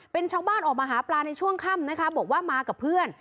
เป็นชาวบ้านออกมาหาปลาในช่วงค่ำนะคะบอกว่ามากับเพื่อน